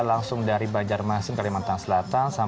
langsung dari banjarmasin kalimantan selatan